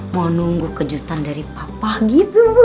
mau nunggu kejutan dari papa gitu